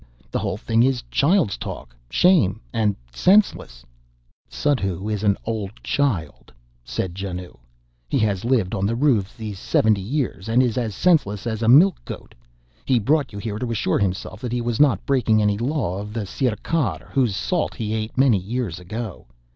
The whole thing is child's talk shame and senseless." "Suddhoo is an old child," said Janoo. "He has lived on the roofs these seventy years and is as senseless as a milch goat. He brought you here to assure himself that he was not breaking any law of the Sirkar, whose salt he ate many years ago.